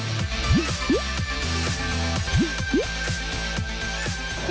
ทั้งหนึ่ง